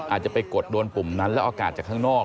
อาจจะไปกดโดนปุ่มนั้นแล้วอากาศจากข้างนอก